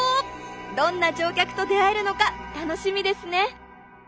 どんな乗客と出会えるのか楽しみですね！